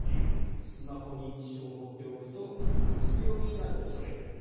スマホ認知症を放っておくとうつ病になる恐れがある。